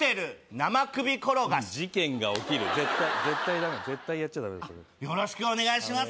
生首転がし事件が起きる絶対絶対ダメ絶対やっちゃダメあっよろしくお願いします